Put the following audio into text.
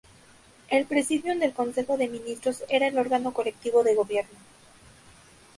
El Presidium del Consejo de Ministros era el órgano colectivo de gobierno.